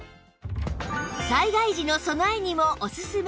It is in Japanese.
災害時の備えにもおすすめ